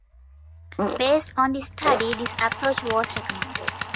Based on the study, this approach was recommended.